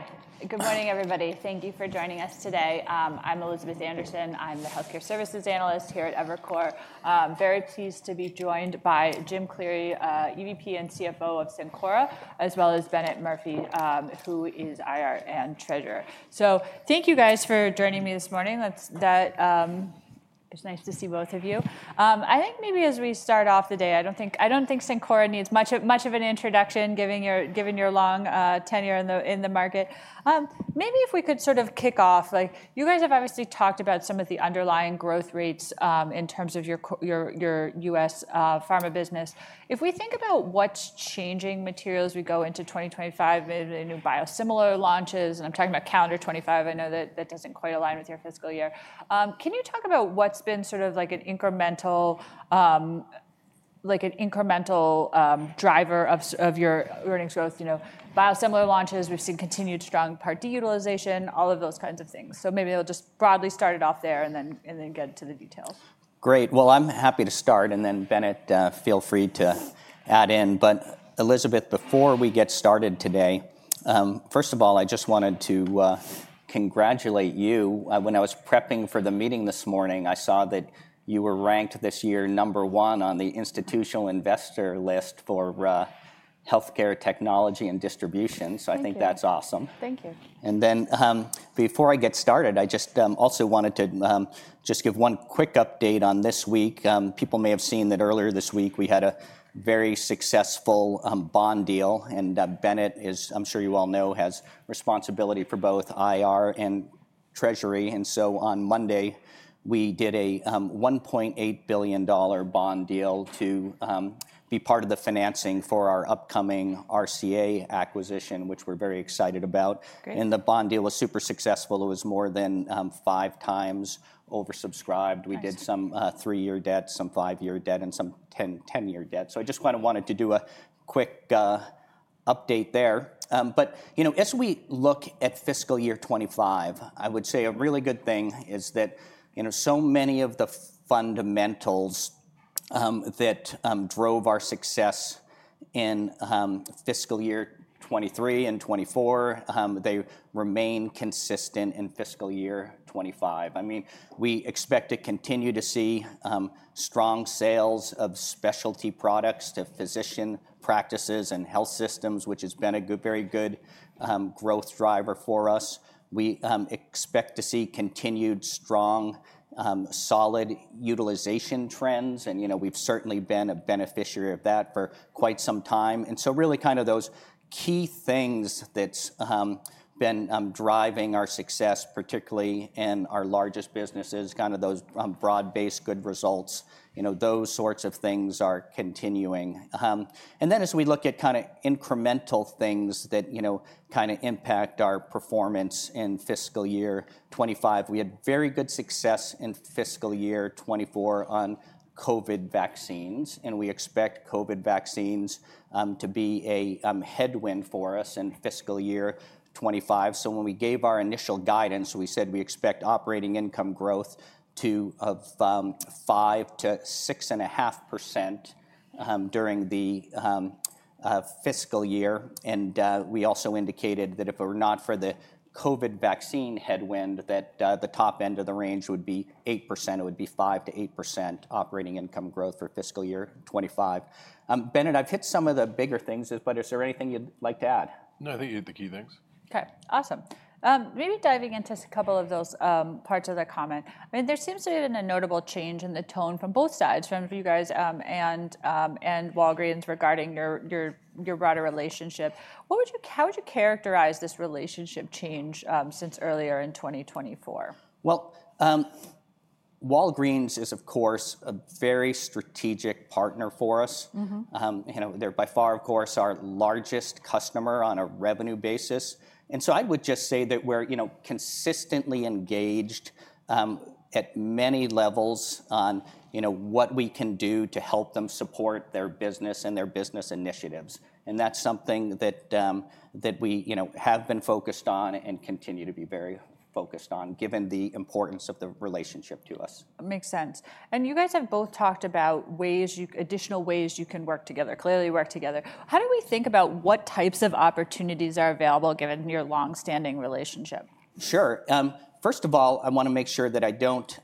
Hi. Good morning, everybody. Thank you for joining us today. I'm Elizabeth Anderson. I'm the Healthcare Services Analyst here at Evercore. Very pleased to be joined by Jim Cleary, EVP and CFO of Cencora, as well as Bennett Murphy, who is IR and Treasurer. So thank you, guys, for joining me this morning. It's nice to see both of you. I think maybe as we start off the day, I don't think Cencora needs much of an introduction, given your long tenure in the market. Maybe if we could sort of kick off, you guys have obviously talked about some of the underlying growth rates in terms of your U.S. pharma business. If we think about what's changing as we go into 2025, maybe new biosimilar launches, and I'm talking about calendar 2025. I know that that doesn't quite align with your fiscal year. Can you talk about what's been sort of like an incremental driver of your earnings growth? You know, biosimilar launches, we've seen continued strong Part D utilization, all of those kinds of things. So maybe it'll just broadly start it off there and then get into the details. Great. Well, I'm happy to start, and then Bennett, feel free to add in. But Elizabeth, before we get started today, first of all, I just wanted to congratulate you. When I was prepping for the meeting this morning, I saw that you were ranked this year number one on the Institutional Investor list for healthcare technology and distribution. So I think that's awesome. Thank you. And then before I get started, I just also wanted to just give one quick update on this week. People may have seen that earlier this week we had a very successful bond deal, and Bennett is, I'm sure you all know, has responsibility for both IR and Treasury. And so on Monday, we did a $1.8 billion bond deal to be part of the financing for our upcoming RCA acquisition, which we're very excited about. And the bond deal was super successful. It was more than five times oversubscribed. We did some three-year debt, some five-year debt, and some 10-year debt. So I just kind of wanted to do a quick update there. As we look at fiscal year 2025, I would say a really good thing is that so many of the fundamentals that drove our success in fiscal year 2023 and 2024, they remain consistent in fiscal year 2025. I mean, we expect to continue to see strong sales of specialty products to physician practices and health systems, which has been a very good growth driver for us. We expect to see continued strong, solid utilization trends, and we've certainly been a beneficiary of that for quite some time. And so really kind of those key things that's been driving our success, particularly in our largest businesses, kind of those broad-based good results, those sorts of things are continuing. And then as we look at kind of incremental things that kind of impact our performance in fiscal year 2025, we had very good success in fiscal year 2024 on COVID vaccines, and we expect COVID vaccines to be a headwind for us in fiscal year 2025. So when we gave our initial guidance, we said we expect operating income growth of 5%-6.5% during the fiscal year. And we also indicated that if it were not for the COVID vaccine headwind, that the top end of the range would be 8%. It would be 5%-8% operating income growth for fiscal year 2025. Bennett, I've hit some of the bigger things, but is there anything you'd like to add? No, I think you hit the key things. Okay, awesome. Maybe diving into a couple of those parts of the comment. I mean, there seems to have been a notable change in the tone from both sides, from you guys and Walgreens regarding your broader relationship. How would you characterize this relationship change since earlier in 2024? Walgreens is, of course, a very strategic partner for us. They're by far, of course, our largest customer on a revenue basis. And so I would just say that we're consistently engaged at many levels on what we can do to help them support their business and their business initiatives. And that's something that we have been focused on and continue to be very focused on, given the importance of the relationship to us. Makes sense, and you guys have both talked about additional ways you can work together, clearly work together. How do we think about what types of opportunities are available given your long-standing relationship? Sure. First of all, I want to make sure that I don't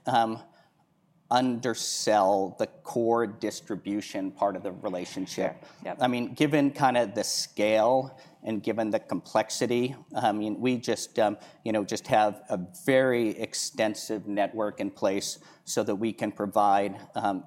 undersell the core distribution part of the relationship. I mean, given kind of the scale and given the complexity, I mean, we just have a very extensive network in place so that we can provide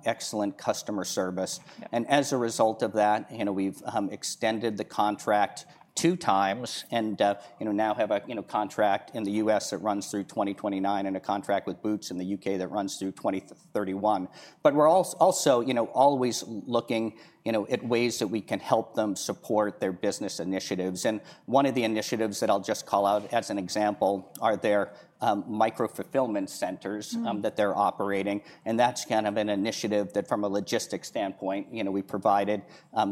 excellent customer service. As a result of that, we've extended the contract two times and now have a contract in the U.S. that runs through 2029 and a contract with Boots in the U.K. that runs through 2031. We're also always looking at ways that we can help them support their business initiatives. One of the initiatives that I'll just call out as an example are their micro-fulfillment centers that they're operating. That's kind of an initiative that from a logistics standpoint, we provided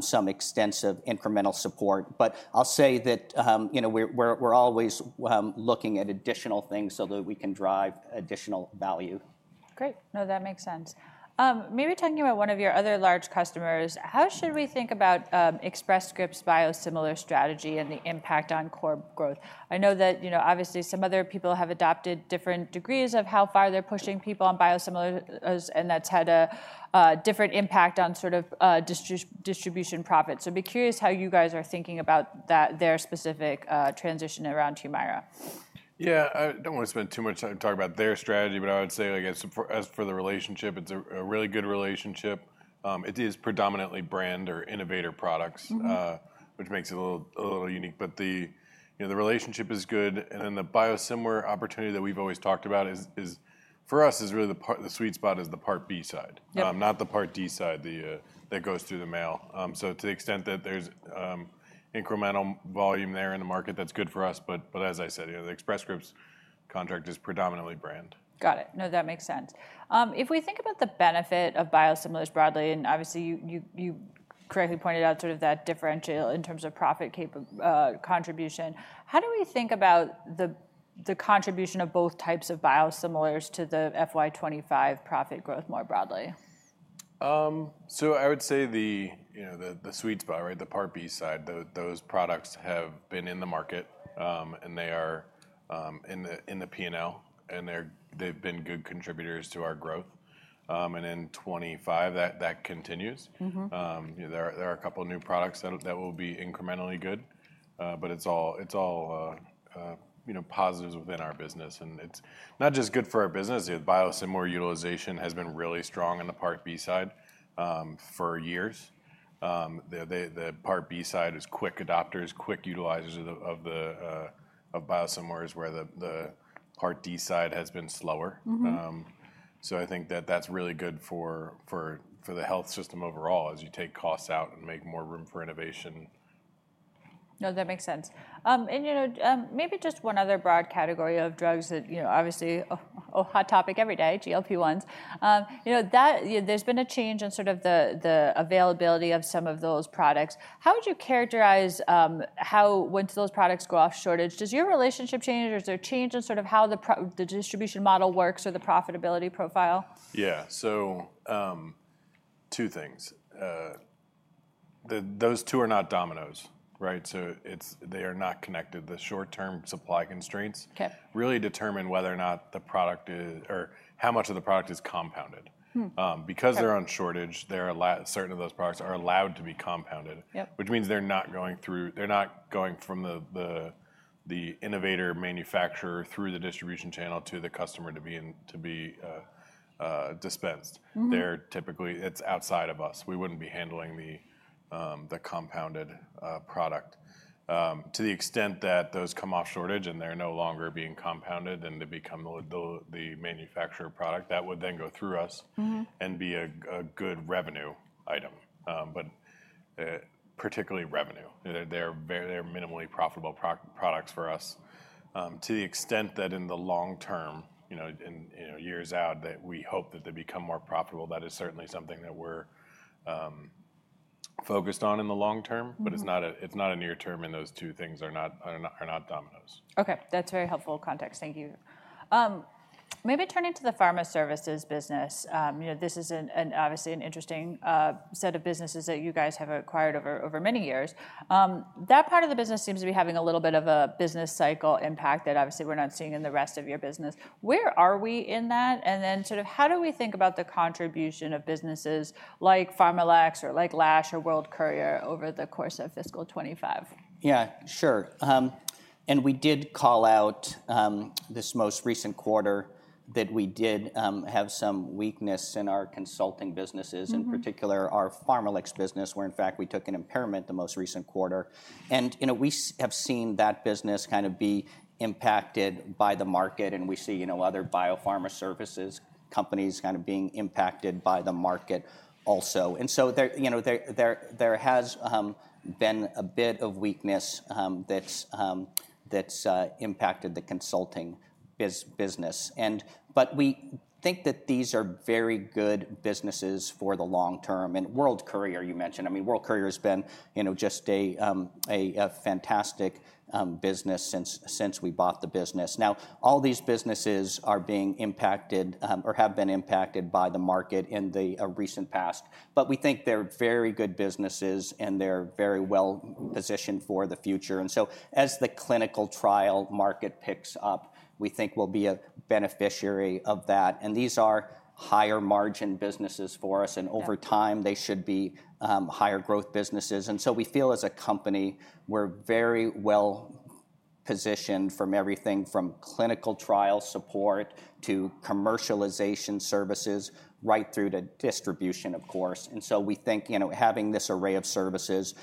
some extensive incremental support. But I'll say that we're always looking at additional things so that we can drive additional value. Great. No, that makes sense. Maybe talking about one of your other large customers, how should we think about Express Scripts' biosimilar strategy and the impact on core growth? I know that obviously some other people have adopted different degrees of how far they're pushing people on biosimilars, and that's had a different impact on sort of distribution profits. So I'd be curious how you guys are thinking about their specific transition around Humira. Yeah, I don't want to spend too much time talking about their strategy, but I would say as for the relationship, it's a really good relationship. It is predominantly brand or innovator products, which makes it a little unique. But the relationship is good. And then the biosimilar opportunity that we've always talked about for us is really the sweet spot is the Part B side, not the Part D side that goes through the mail. So to the extent that there's incremental volume there in the market, that's good for us. But as I said, the Express Scripts contract is predominantly brand. Got it. No, that makes sense. If we think about the benefit of biosimilars broadly, and obviously you correctly pointed out sort of that differential in terms of profit contribution, how do we think about the contribution of both types of biosimilars to the FY 2025 profit growth more broadly? So I would say the sweet spot, right, the Part B side, those products have been in the market and they are in the P&L, and they've been good contributors to our growth. And in 2025, that continues. There are a couple of new products that will be incrementally good, but it's all positives within our business. And it's not just good for our business. Biosimilar utilization has been really strong on the Part B side for years. The Part B side is quick adopters, quick utilizers of biosimilars, where the Part D side has been slower. So I think that that's really good for the health system overall as you take costs out and make more room for innovation. No, that makes sense. And maybe just one other broad category of drugs that obviously a hot topic every day, GLP-1s. There's been a change in sort of the availability of some of those products. How would you characterize how once those products go off shortage? Does your relationship change or is there a change in sort of how the distribution model works or the profitability profile? Yeah, so two things. Those two are not dominoes, right? So they are not connected. The short-term supply constraints really determine whether or not the product is or how much of the product is compounded. Because they're on shortage, certain of those products are allowed to be compounded, which means they're not going through, they're not going from the innovator manufacturer through the distribution channel to the customer to be dispensed. They're typically, it's outside of us. We wouldn't be handling the compounded product. To the extent that those come off shortage and they're no longer being compounded and they become the manufacturer product, that would then go through us and be a good revenue item, but particularly revenue. They're minimally profitable products for us. To the extent that in the long term, years out, that we hope that they become more profitable, that is certainly something that we're focused on in the long term, but it's not a near term and those two things are not dominoes. Okay, that's very helpful context. Thank you. Maybe turning to the pharma services business, this is obviously an interesting set of businesses that you guys have acquired over many years. That part of the business seems to be having a little bit of a business cycle impact that obviously we're not seeing in the rest of your business. Where are we in that? And then sort of how do we think about the contribution of businesses like PharmaLex or like Lash or World Courier over the course of fiscal 2025? Yeah, sure. And we did call out this most recent quarter that we did have some weakness in our consulting businesses, in particular our PharmaLex business, where in fact we took an impairment the most recent quarter. And we have seen that business kind of be impacted by the market, and we see other biopharma services companies kind of being impacted by the market also. And so there has been a bit of weakness that's impacted the consulting business. But we think that these are very good businesses for the long term. And World Courier, you mentioned, I mean, World Courier has been just a fantastic business since we bought the business. Now, all these businesses are being impacted or have been impacted by the market in the recent past, but we think they're very good businesses and they're very well positioned for the future. And so as the clinical trial market picks up, we think we'll be a beneficiary of that. And these are higher margin businesses for us, and over time they should be higher growth businesses. And so we feel as a company, we're very well positioned from everything from clinical trial support to commercialization services right through to distribution, of course. And so we think having this array of services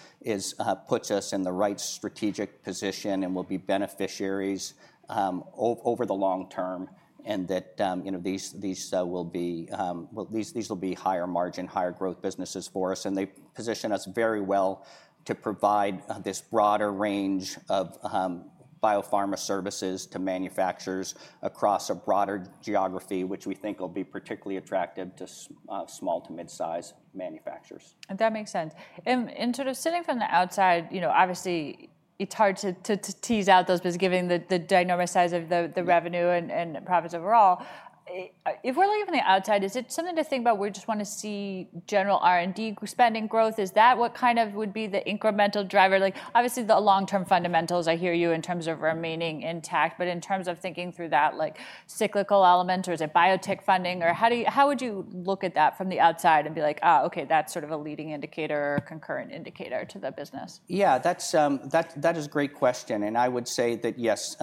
puts us in the right strategic position and we'll be beneficiaries over the long term and that these will be higher margin, higher growth businesses for us. And they position us very well to provide this broader range of biopharma services to manufacturers across a broader geography, which we think will be particularly attractive to small to mid-size manufacturers. That makes sense and sort of sitting from the outside, obviously it's hard to tease out those businesses given the dynamic size of the revenue and profits overall. If we're looking from the outside, is it something to think about? We just want to see general R&D spending growth. Is that what kind of would be the incremental driver? Obviously, the long-term fundamentals, I hear you in terms of remaining intact, but in terms of thinking through that cyclical element, or is it biotech funding, or how would you look at that from the outside and be like, "Oh, okay, that's sort of a leading indicator or concurrent indicator to the business"? Yeah, that is a great question. And I would say that yes,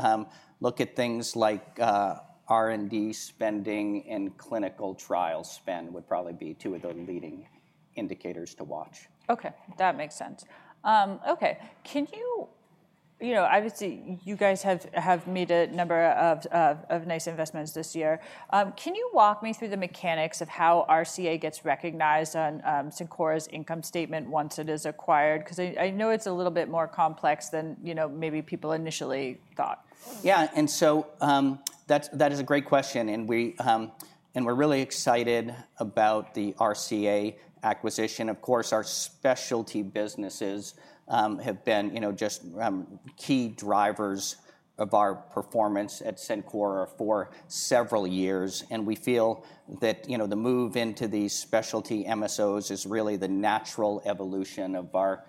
look at things like R&D spending and clinical trial spend would probably be two of the leading indicators to watch. Okay, that makes sense. Okay, can you, obviously you guys have made a number of nice investments this year. Can you walk me through the mechanics of how RCA gets recognized on Cencora's income statement once it is acquired? Because I know it's a little bit more complex than maybe people initially thought. Yeah, and so that is a great question. And we're really excited about the RCA acquisition. Of course, our specialty businesses have been just key drivers of our performance at Cencora for several years. And we feel that the move into these specialty MSOs is really the natural evolution of our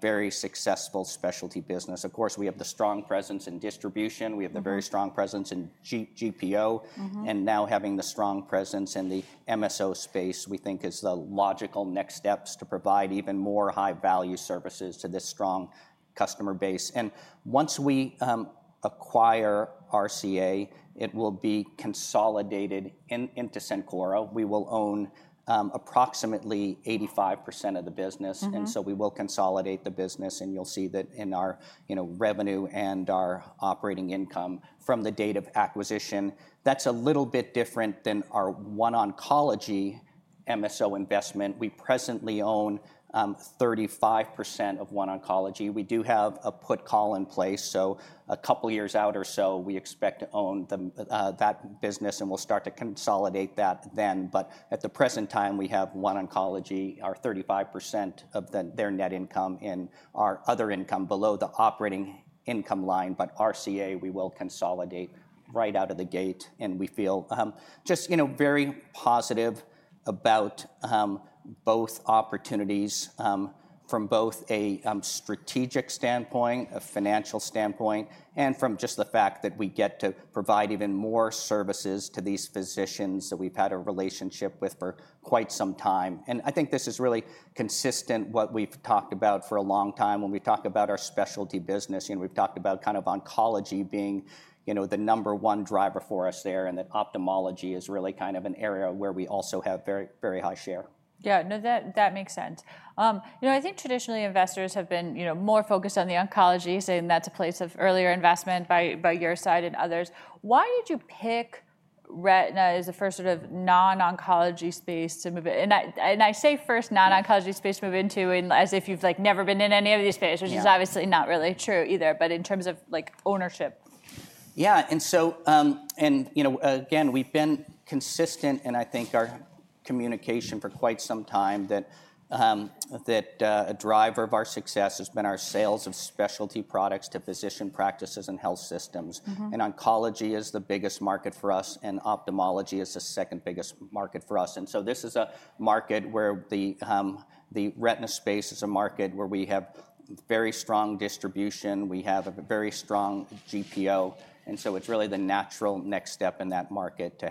very successful specialty business. Of course, we have the strong presence in distribution. We have the very strong presence in GPO. And now having the strong presence in the MSO space, we think is the logical next steps to provide even more high-value services to this strong customer base. And once we acquire RCA, it will be consolidated into Cencora. We will own approximately 85% of the business. And so we will consolidate the business, and you'll see that in our revenue and our operating income from the date of acquisition. That's a little bit different than our OneOncology MSO investment. We presently own 35% of OneOncology. We do have a put call in place. So a couple of years out or so, we expect to own that business and we'll start to consolidate that then. But at the present time, we have OneOncology, our 35% of their net income in our other income below the operating income line, but RCA, we will consolidate right out of the gate. And we feel just very positive about both opportunities from both a strategic standpoint, a financial standpoint, and from just the fact that we get to provide even more services to these physicians that we've had a relationship with for quite some time. And I think this is really consistent with what we've talked about for a long time when we talk about our specialty business. We've talked about kind of oncology being the number one driver for us there and that ophthalmology is really kind of an area where we also have very high share. Yeah, no, that makes sense. I think traditionally investors have been more focused on the oncology, saying that's a place of earlier investment by your side and others. Why did you pick retina as the first sort of non-oncology space to move in, and I say first non-oncology space to move into as if you've never been in any of these spaces, which is obviously not really true either, but in terms of ownership. Yeah, and so again, we've been consistent in, I think, our communication for quite some time that a driver of our success has been our sales of specialty products to physician practices and health systems. And oncology is the biggest market for us, and ophthalmology is the second biggest market for us. And so this is a market where the retina space is a market where we have very strong distribution. We have a very strong GPO. And so it's really the natural next step in that market to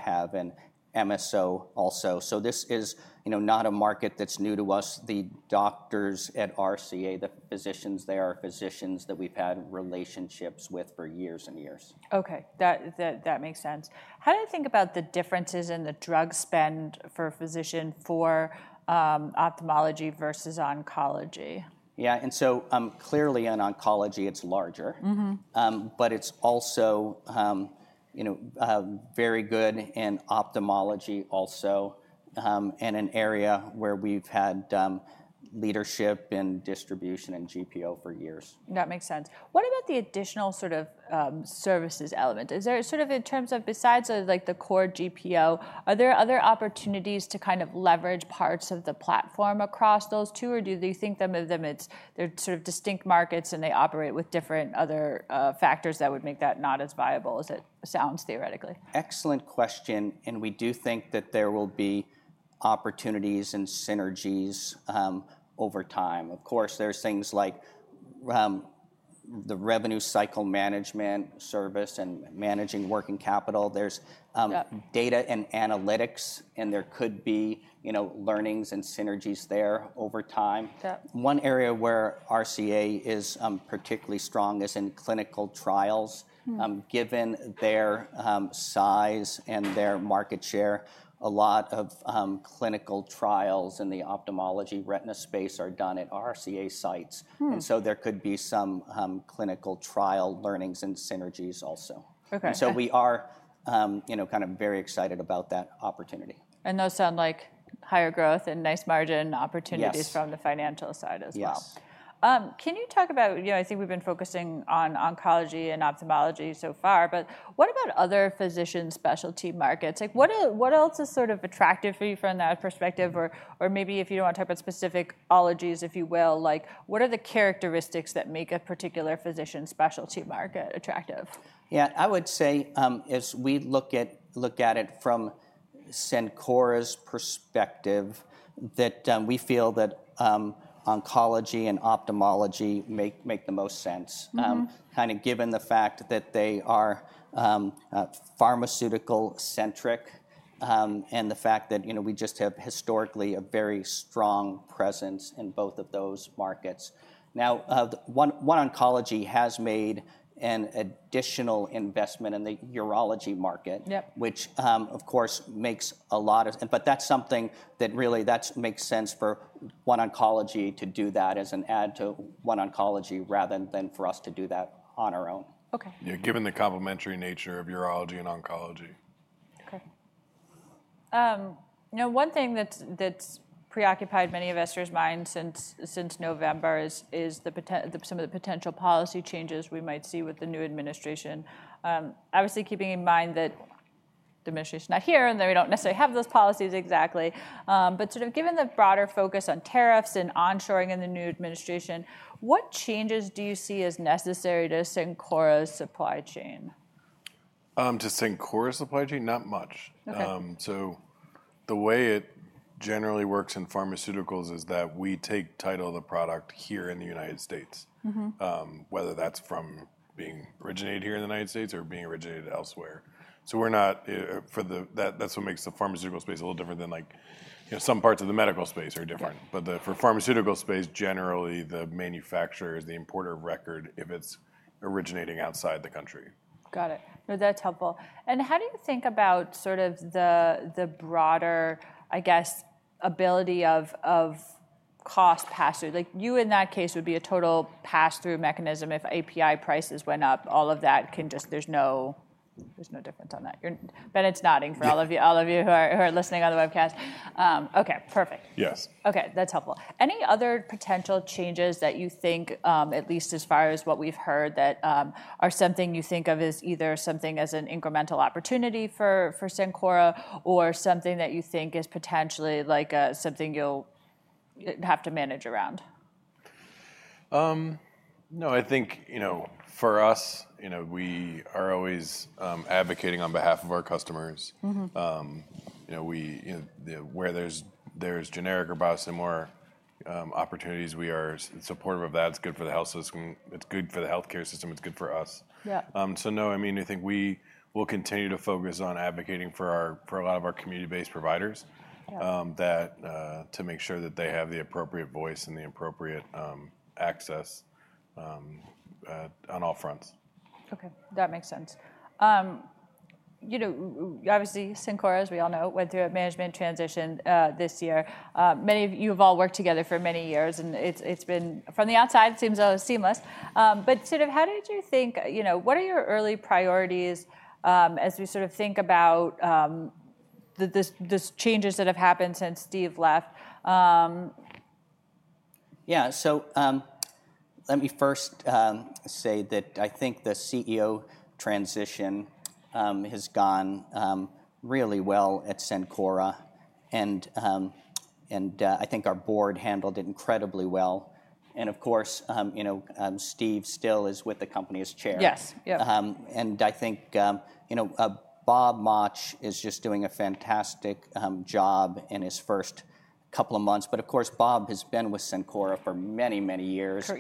have an MSO also. So this is not a market that's new to us. The doctors at RCA, the physicians there, are physicians that we've had relationships with for years and years. Okay, that makes sense. How do you think about the differences in the drug spend for physician for ophthalmology versus oncology? Yeah, and so clearly in oncology, it's larger, but it's also very good in ophthalmology also and an area where we've had leadership in distribution and GPO for years. That makes sense. What about the additional sort of services element? Is there sort of in terms of besides the core GPO, are there other opportunities to kind of leverage parts of the platform across those two? Or do you think some of them they're sort of distinct markets and they operate with different other factors that would make that not as viable as it sounds theoretically? Excellent question, and we do think that there will be opportunities and synergies over time. Of course, there's things like the revenue cycle management service and managing working capital. There's data and analytics, and there could be learnings and synergies there over time. One area where RCA is particularly strong is in clinical trials. Given their size and their market share, a lot of clinical trials in the ophthalmology retina space are done at RCA sites, and so there could be some clinical trial learnings and synergies also, and so we are kind of very excited about that opportunity. Those sound like higher growth and nice margin opportunities from the financial side as well. Yes. Can you talk about, I think we've been focusing on oncology and ophthalmology so far, but what about other physician specialty markets? What else is sort of attractive for you from that perspective? Or maybe if you don't want to talk about specificologies, if you will, what are the characteristics that make a particular physician specialty market attractive? Yeah, I would say as we look at it from Cencora's perspective, that we feel that oncology and ophthalmology make the most sense, kind of given the fact that they are pharmaceutical-centric and the fact that we just have historically a very strong presence in both of those markets. Now, OneOncology has made an additional investment in the urology market, which of course makes a lot of, but that's something that really makes sense for OneOncology to do that as an add to OneOncology rather than for us to do that on our own. Okay. Given the complementary nature of urology and oncology. Okay. Now, one thing that's preoccupied many investors' minds since November is some of the potential policy changes we might see with the new administration. Obviously, keeping in mind that the administration is not here and that we don't necessarily have those policies exactly, but sort of given the broader focus on tariffs and onshoring in the new administration, what changes do you see as necessary to Cencora's supply chain? To Cencora's supply chain, not much. So the way it generally works in pharmaceuticals is that we take title of the product here in the United States, whether that's from being originated here in the United States or being originated elsewhere. So that's what makes the pharmaceutical space a little different than some parts of the medical space are different. But for pharmaceutical space, generally the manufacturer is the importer of record if it's originating outside the country. Got it. No, that's helpful. And how do you think about sort of the broader, I guess, ability of cost pass-through? You, in that case, would be a total pass-through mechanism if API prices went up. All of that can just, there's no difference on that. Bennett's nodding for all of you who are listening on the webcast. Okay, perfect. Yes. Okay, that's helpful. Any other potential changes that you think, at least as far as what we've heard, that are something you think of as either something as an incremental opportunity for Cencora or something that you think is potentially like something you'll have to manage around? No, I think for us, we are always advocating on behalf of our customers. Where there's generic or biosimilar opportunities, we are supportive of that. It's good for the healthcare system. It's good for us. So no, I mean, I think we will continue to focus on advocating for a lot of our community-based providers to make sure that they have the appropriate voice and the appropriate access on all fronts. Okay, that makes sense. Obviously, Cencora, as we all know, went through a management transition this year. You've all worked together for many years, and it's been from the outside, it seems seamless. But sort of how did you think, what are your early priorities as we sort of think about the changes that have happened since Steve left? Yeah, so let me first say that I think the CEO transition has gone really well at Cencora. And I think our board handled it incredibly well. And of course, Steve still is with the company as Chair. Yes. I think Bob Mauch is just doing a fantastic job in his first couple of months. Of course, Bob has been with Cencora for many, many years.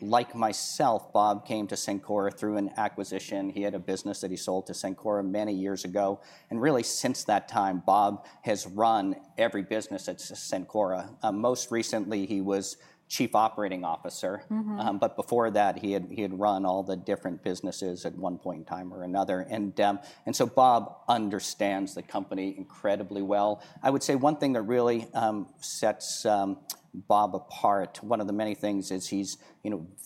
Like myself, Bob came to Cencora through an acquisition. He had a business that he sold to Cencora many years ago. Really since that time, Bob has run every business at Cencora. Most recently, he was Chief Operating Officer. Before that, he had run all the different businesses at one point in time or another. So Bob understands the company incredibly well. I would say one thing that really sets Bob apart, one of the many things is he's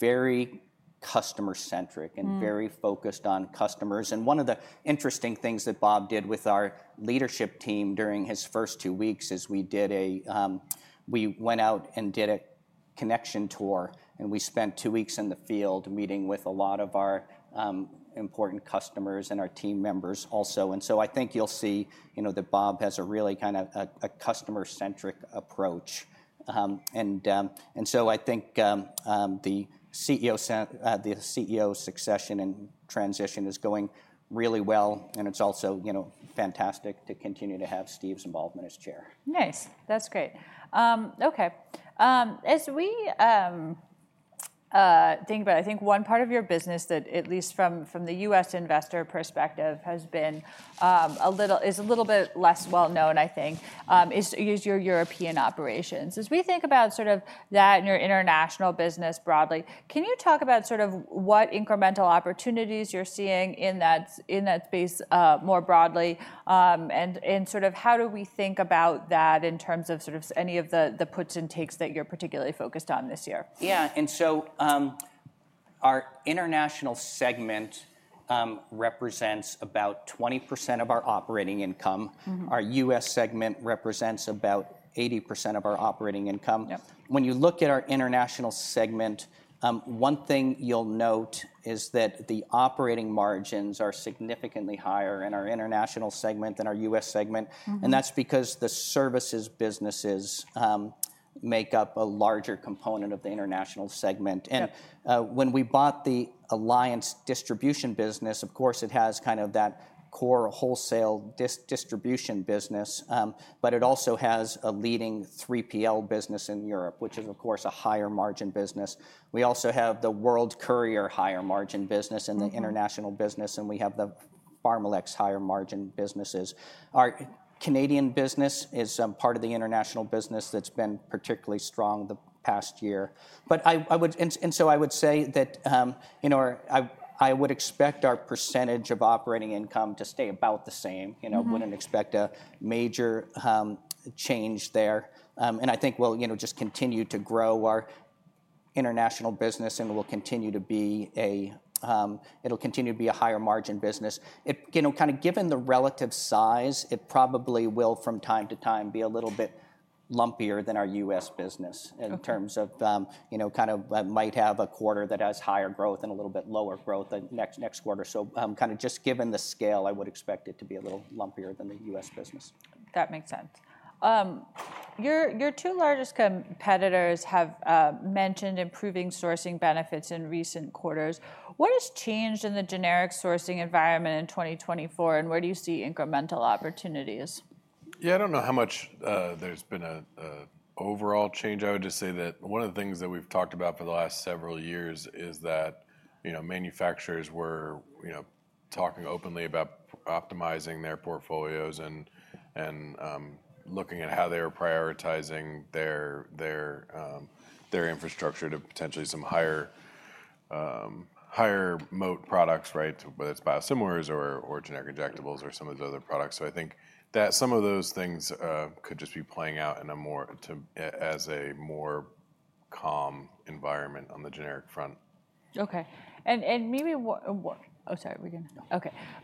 very customer-centric and very focused on customers. One of the interesting things that Bob did with our leadership team during his first two weeks is we went out and did a connection tour. And we spent two weeks in the field meeting with a lot of our important customers and our team members also. And so I think you'll see that Bob has a really kind of a customer-centric approach. And so I think the CEO succession and transition is going really well. And it's also fantastic to continue to have Steve's involvement as Chair. Nice. That's great. Okay. As we think about, I think one part of your business that at least from the U.S. investor perspective has been a little bit less well known, I think, is your European operations. As we think about sort of that and your international business broadly, can you talk about sort of what incremental opportunities you're seeing in that space more broadly? And sort of how do we think about that in terms of sort of any of the puts and takes that you're particularly focused on this year? Yeah. And so our international segment represents about 20% of our operating income. Our U.S. segment represents about 80% of our operating income. When you look at our international segment, one thing you'll note is that the operating margins are significantly higher in our international segment than our U.S. segment. And that's because the services businesses make up a larger component of the international segment. And when we bought the Alliance distribution business, of course, it has kind of that core wholesale distribution business, but it also has a leading 3PL business in Europe, which is of course a higher margin business. We also have the World Courier higher margin business and the international business, and we have the Pharmalex higher margin businesses. Our Canadian business is part of the international business that's been particularly strong the past year. I would say that I would expect our percentage of operating income to stay about the same. I wouldn't expect a major change there. I think we'll just continue to grow our international business, and we'll continue to be. It'll continue to be a higher margin business. Kind of given the relative size, it probably will from time to time be a little bit lumpier than our U.S. business in terms of kind of might have a quarter that has higher growth and a little bit lower growth next quarter. Kind of just given the scale, I would expect it to be a little lumpier than the U.S. business. That makes sense. Your two largest competitors have mentioned improving sourcing benefits in recent quarters. What has changed in the generic sourcing environment in 2024, and where do you see incremental opportunities? Yeah, I don't know how much there's been an overall change. I would just say that one of the things that we've talked about for the last several years is that manufacturers were talking openly about optimizing their portfolios and looking at how they are prioritizing their infrastructure to potentially some higher moat products, right, whether it's biosimilars or generic injectables or some of those other products. So I think that some of those things could just be playing out as a more calm environment on the generic front.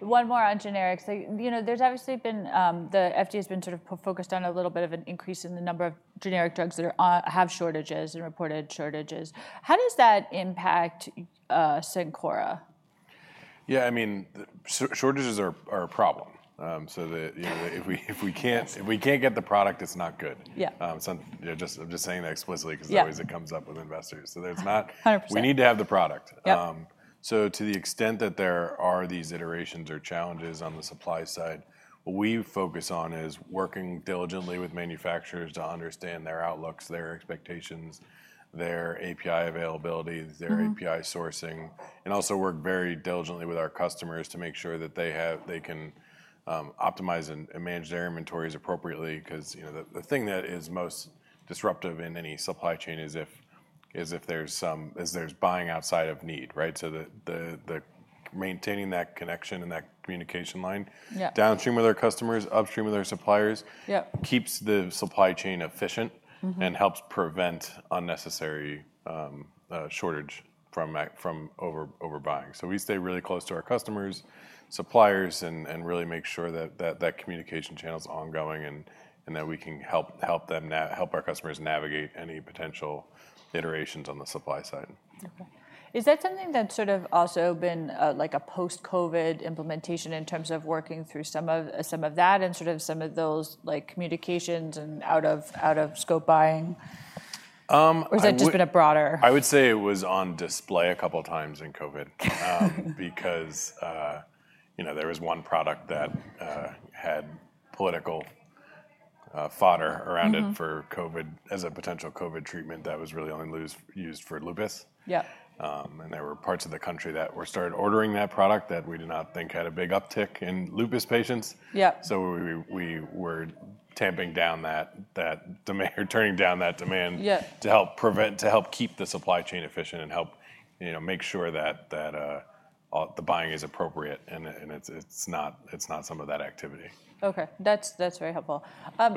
One more on generics. The FDA has been sort of focused on a little bit of an increase in the number of generic drugs that have shortages and reported shortages. How does that impact Cencora? Yeah, I mean, shortages are a problem. So if we can't get the product, it's not good. I'm just saying that explicitly because it always comes up with investors. So we need to have the product. So to the extent that there are these iterations or challenges on the supply side, what we focus on is working diligently with manufacturers to understand their outlooks, their expectations, their API availability, their API sourcing, and also work very diligently with our customers to make sure that they can optimize and manage their inventories appropriately. Because the thing that is most disruptive in any supply chain is if there's buying outside of need, right? So maintaining that connection and that communication line downstream with our customers, upstream with our suppliers, keeps the supply chain efficient and helps prevent unnecessary shortage from overbuying. So we stay really close to our customers, suppliers, and really make sure that that communication channel is ongoing and that we can help our customers navigate any potential iterations on the supply side. Okay. Is that something that's sort of also been like a post-COVID implementation in terms of working through some of that and sort of some of those communications and out-of-scope buying? Or has that just been a broader? I would say it was on display a couple of times in COVID because there was one product that had political fodder around it for COVID as a potential COVID treatment that was really only used for lupus. And there were parts of the country that were started ordering that product that we did not think had a big uptick in lupus patients. So we were tamping down that demand, turning down that demand to help keep the supply chain efficient and help make sure that the buying is appropriate and it's not some of that activity. Okay. That's very helpful. But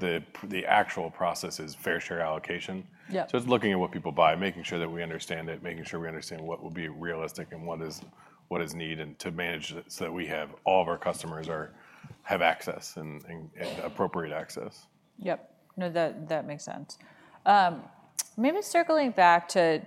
the actual process is fair share allocation. So it's looking at what people buy, making sure that we understand it, making sure we understand what will be realistic and what is needed to manage it so that we have all of our customers have access and appropriate access. Yep. No, that makes sense. Maybe circling back to,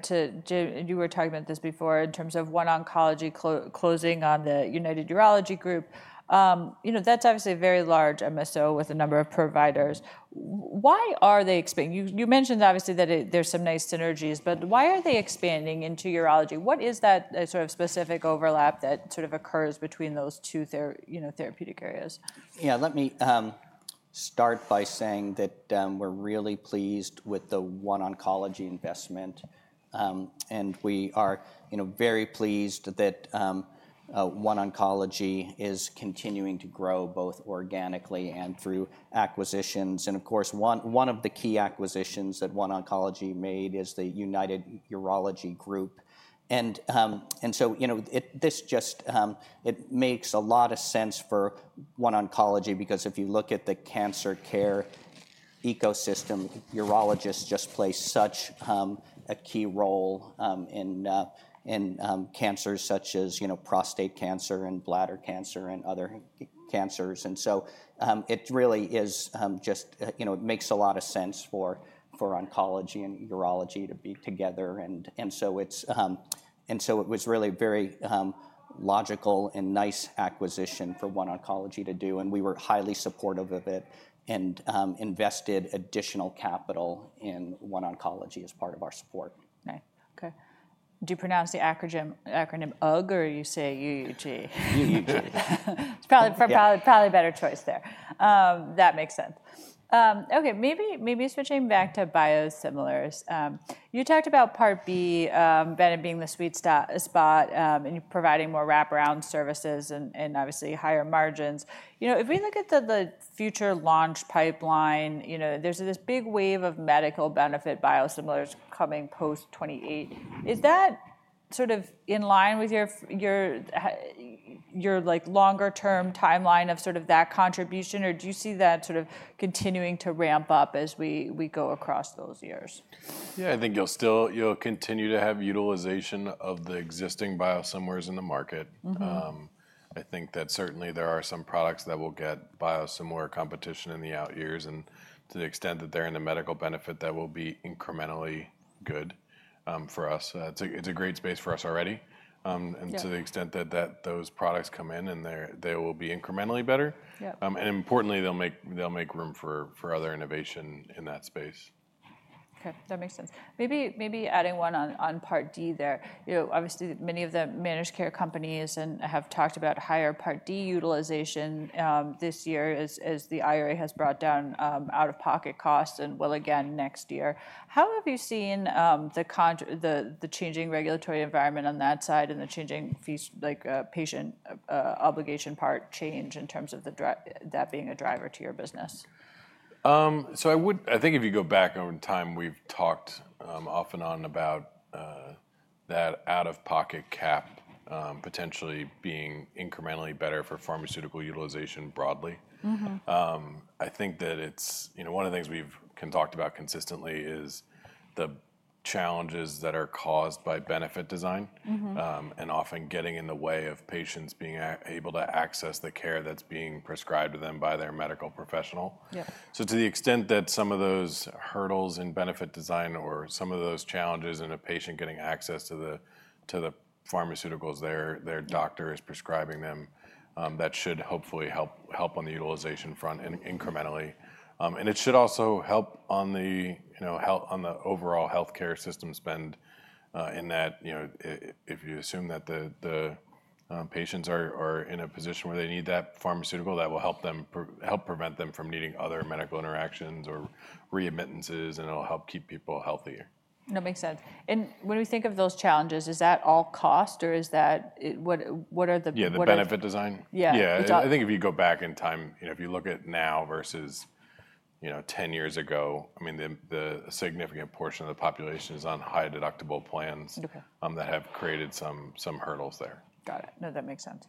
and you were talking about this before in terms of OneOncology closing on the United Urology Group, that's obviously a very large MSO with a number of providers. Why are they expanding? You mentioned obviously that there's some nice synergies, but why are they expanding into urology? What is that sort of specific overlap that sort of occurs between those two therapeutic areas? Yeah, let me start by saying that we're really pleased with the OneOncology investment. And we are very pleased that OneOncology is continuing to grow both organically and through acquisitions. And of course, one of the key acquisitions that OneOncology made is the United Urology Group. And so this just makes a lot of sense for OneOncology because if you look at the cancer care ecosystem, urologists just play such a key role in cancers such as prostate cancer and bladder cancer and other cancers. And so it really is just, it makes a lot of sense for oncology and urology to be together. And so it was really a very logical and nice acquisition for OneOncology to do. And we were highly supportive of it and invested additional capital in OneOncology as part of our support. Nice. Okay. Do you pronounce the acronym UUG or you say U-U-G? U-U-G. It's probably a better choice there. That makes sense. Okay, maybe switching back to biosimilars. You talked about Part B, Bennett being the sweet spot and providing more wraparound services and obviously higher margins. If we look at the future launch pipeline, there's this big wave of medical benefit biosimilars coming post 2028. Is that sort of in line with your longer-term timeline of sort of that contribution, or do you see that sort of continuing to ramp up as we go across those years? Yeah, I think you'll continue to have utilization of the existing biosimilars in the market. I think that certainly there are some products that will get biosimilar competition in the out years. And to the extent that they're in a medical benefit, that will be incrementally good for us. It's a great space for us already. And to the extent that those products come in, they will be incrementally better. And importantly, they'll make room for other innovation in that space. Okay. That makes sense. Maybe adding one on Part D there. Obviously, many of the managed care companies have talked about higher Part D utilization this year as the IRA has brought down out-of-pocket costs and will again next year. How have you seen the changing regulatory environment on that side and the changing fees, like patient obligation part, change in terms of that being a driver to your business? So I think if you go back over time, we've talked off and on about that out-of-pocket cap potentially being incrementally better for pharmaceutical utilization broadly. I think that one of the things we've talked about consistently is the challenges that are caused by benefit design and often getting in the way of patients being able to access the care that's being prescribed to them by their medical professional. So to the extent that some of those hurdles in benefit design or some of those challenges in a patient getting access to the pharmaceuticals their doctor is prescribing them, that should hopefully help on the utilization front incrementally. It should also help on the overall healthcare system spend in that if you assume that the patients are in a position where they need that pharmaceutical, that will help prevent them from needing other medical interactions or readmissions, and it'll help keep people healthier. That makes sense. And when we think of those challenges, is that all cost or is that what are the? Yeah, the benefit design? Yeah. Yeah. I think if you go back in time, if you look at now versus 10 years ago, I mean, the significant portion of the population is on high deductible plans that have created some hurdles there. Got it. No, that makes sense.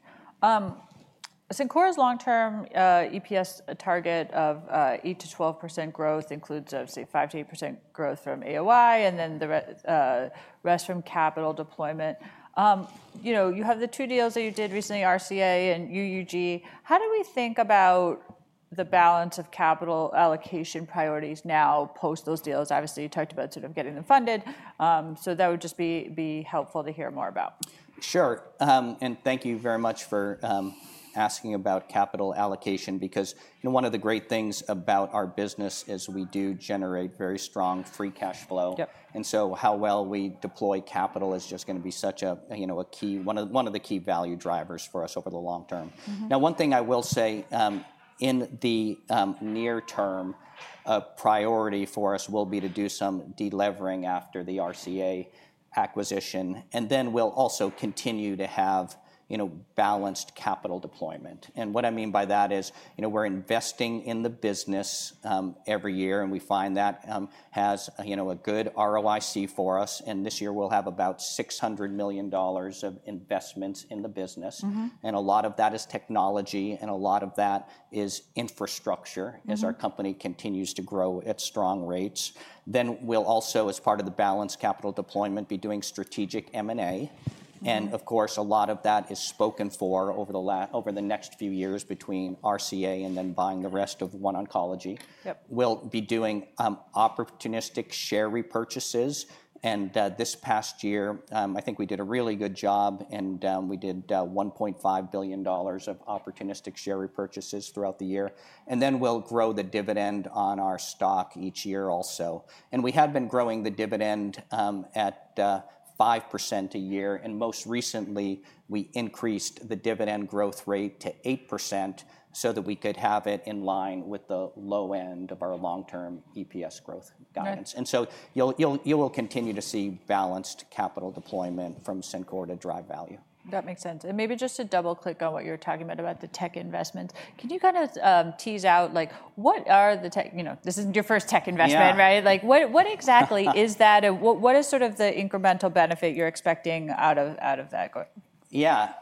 Cencora's long-term EPS target of 8%-12% growth includes, I would say, 5%-8% growth from AOI and then the rest from capital deployment. You have the two deals that you did recently, RCA and UUG. How do we think about the balance of capital allocation priorities now post those deals? Obviously, you talked about sort of getting them funded. So that would just be helpful to hear more about. Sure. And thank you very much for asking about capital allocation because one of the great things about our business is we do generate very strong free cash flow. And so how well we deploy capital is just going to be such a key, one of the key value drivers for us over the long term. Now, one thing I will say in the near term, a priority for us will be to do some delevering after the RCA acquisition. And then we'll also continue to have balanced capital deployment. And what I mean by that is we're investing in the business every year, and we find that has a good ROIC for us. And this year, we'll have about $600 million of investments in the business. And a lot of that is technology, and a lot of that is infrastructure as our company continues to grow at strong rates. Then we'll also, as part of the balanced capital deployment, be doing strategic M&A. And of course, a lot of that is spoken for over the next few years between RCA and then buying the rest of OneOncology. We'll be doing opportunistic share repurchases. And this past year, I think we did a really good job, and we did $1.5 billion of opportunistic share repurchases throughout the year. And then we'll grow the dividend on our stock each year also. And we have been growing the dividend at 5% a year. And most recently, we increased the dividend growth rate to 8% so that we could have it in line with the low end of our long-term EPS growth guidance. And so you will continue to see balanced capital deployment from Cencora to drive value. That makes sense. And maybe just to double-click on what you're talking about the tech investment, can you kind of tease out what are the tech, this isn't your first tech investment, right? What exactly is that? What is sort of the incremental benefit you're expecting out of that? Yeah.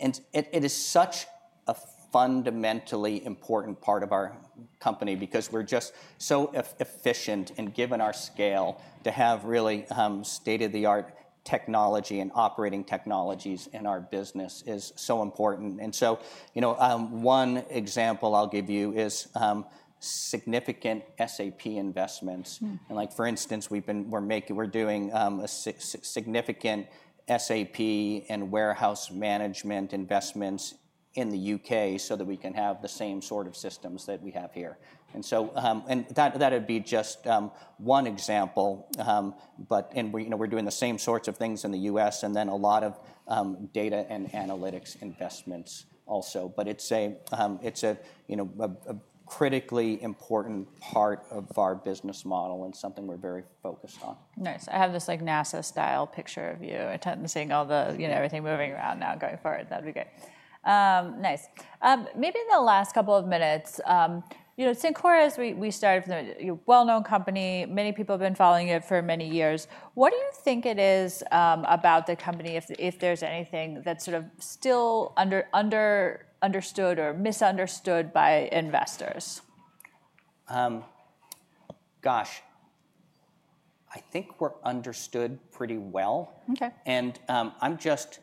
And it is such a fundamentally important part of our company because we're just so efficient and given our scale to have really state-of-the-art technology and operating technologies in our business is so important. And so one example I'll give you is significant SAP investments. And for instance, we're doing significant SAP and warehouse management investments in the U.K. so that we can have the same sort of systems that we have here. And that would be just one example. And we're doing the same sorts of things in the U.S. and then a lot of data and analytics investments also. But it's a critically important part of our business model and something we're very focused on. Nice. I have this NASA-style picture of you attempting to see in all the everything moving around now going forward. That'd be good. Nice. Maybe in the last couple of minutes, Cencora, as we started, a well-known company. Many people have been following it for many years. What do you think it is about the company, if there's anything that's sort of still understood or misunderstood by investors? Gosh, I think we're understood pretty well, and I'm just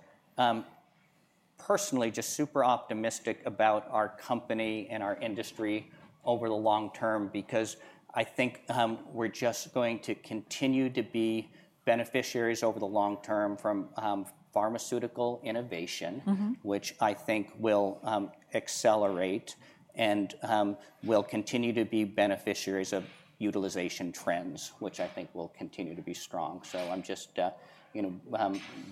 personally just super optimistic about our company and our industry over the long term because I think we're just going to continue to be beneficiaries over the long term from pharmaceutical innovation, which I think will accelerate and will continue to be beneficiaries of utilization trends, which I think will continue to be strong, so I'm just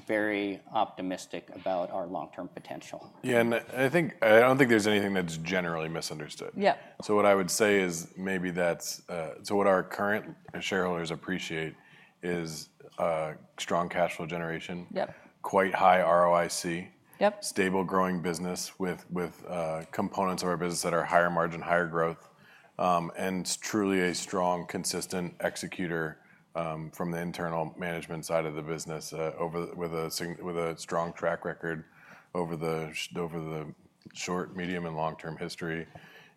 very optimistic about our long-term potential. Yeah. And I don't think there's anything that's generally misunderstood. So what I would say is maybe that's so what our current shareholders appreciate is strong cash flow generation, quite high ROIC, stable growing business with components of our business that are higher margin, higher growth, and truly a strong, consistent executor from the internal management side of the business with a strong track record over the short, medium, and long-term history.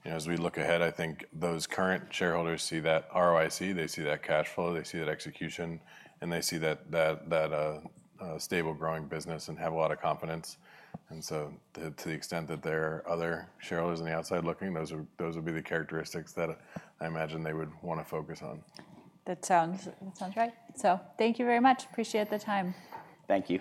As we look ahead, I think those current shareholders see that ROIC, they see that cash flow, they see that execution, and they see that stable growing business and have a lot of confidence. And so to the extent that there are other shareholders on the outside looking, those would be the characteristics that I imagine they would want to focus on. That sounds right. So thank you very much. Appreciate the time. Thank you.